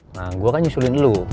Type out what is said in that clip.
nah gue akan nyusulin lu